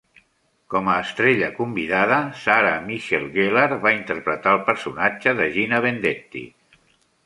Com a estrella convidada, Sarah Michelle Gellar va interpretar el personatge de Gina Vendetti.